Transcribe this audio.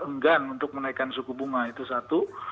enggan untuk menaikkan suku bunga itu satu